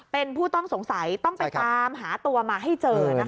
เป็นผู้ต้องสงสัยต้องไปตามหาตัวมาให้เจอนะคะ